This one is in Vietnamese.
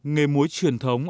nghề muối truyền thống